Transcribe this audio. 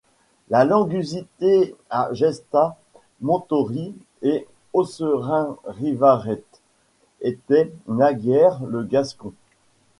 La langue usitée à Gestas, Montory et Osserain-Rivareyte était naguère le gascon.